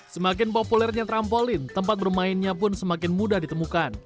semakin populernya trampolin tempat bermainnya pun semakin mudah ditemukan